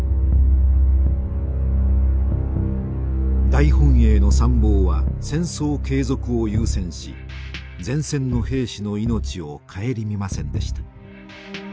大本営の参謀は戦争継続を優先し前線の兵士の命を顧みませんでした。